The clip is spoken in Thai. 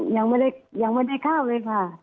ยังไม่ได้ข่าวเลยค่ะ